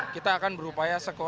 kita akan berupaya sekuatnya